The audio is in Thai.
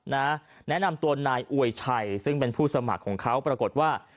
แนะนำตัวนายอวยชัยซึ่งเป็นผู้สมัครของเขาปรากฏว่า